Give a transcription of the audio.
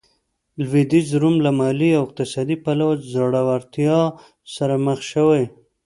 لوېدیځ روم له مالي او اقتصادي پلوه ځوړتیا سره مخ شوی و.